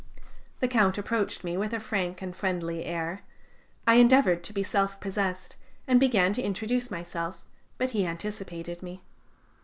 The Count approached me with a frank and friendly air; I endeavored to be self possessed and began to introduce myself, but he anticipated me.